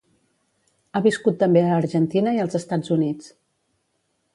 Ha viscut també a Argentina i als Estats Units.